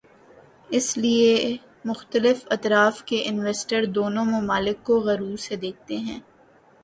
اس لیے مختلف اطراف کے انویسٹر دونوں ممالک کو غور سے دیکھتے ہیں۔